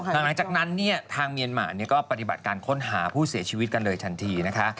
หลังจากนั้นเนี่ยทางเมียนมาก็ปฏิบัติการค้นหาผู้เสียชีวิตกันเลยทันทีนะคะ